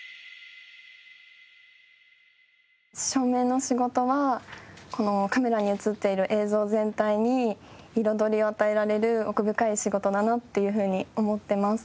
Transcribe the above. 照明の仕事はこのカメラに映っている映像全体に彩りを与えられる奥深い仕事だなっていうふうに思っています。